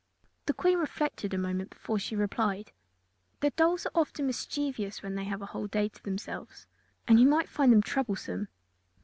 The Queen reflected a moment before she replied, "The dolls are often mischievous when they have a whole day to themselves, and you might find them troublesome.